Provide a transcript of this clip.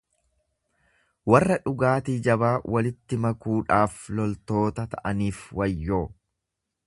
Warra dhugaatii jabaa walitti makuudhaaf loltoota ta'aniif wayyoo!